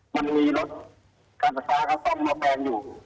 มันมีรถการประสานะซ่อมมาแปลงอยู่